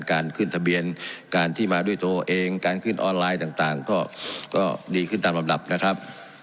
การขึ้นทะเบียนการที่มาด้วยตัวเองการขึ้นออนไลน์ต่างก็ดีขึ้นตามลำดับนะครับ